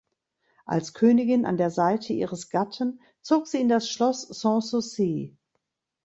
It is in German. Als Königin an der Seite ihres Gatten zog sie in das Schloss Sans Souci.